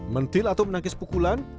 mentil atau menangkis pukulan